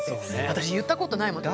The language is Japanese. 私言ったことないもん。